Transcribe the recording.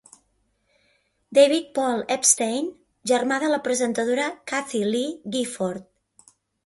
David Paul Epstein, germà de la presentadora Kathie Lee Gifford.